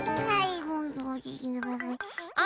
あ！